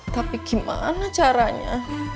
tapi gimana caranya